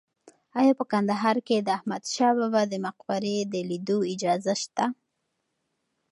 ایا په کندهار کې د احمد شاه بابا د مقبرې د لیدو اجازه شته؟